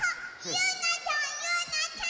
ゆうなちゃんゆうなちゃん！